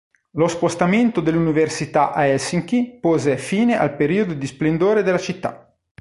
Lo spostamento dell'università a Helsinki pose fine al periodo di splendore della città.